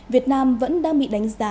việt nam vẫn đang bị đánh giá